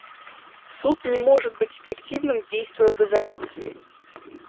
Суд не может быть эффективным, действуя в изоляции.